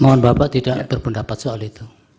mohon bapak tidak berpendapat soal itu